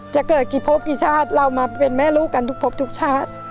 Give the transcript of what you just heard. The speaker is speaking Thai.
จะเกิดกี่พบกี่ชาติเรามาเป็นแม่ลูกกันทุกพบทุกชาติ